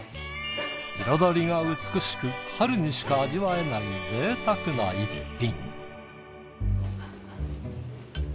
彩りが美しく春にしか味わえない贅沢な一品。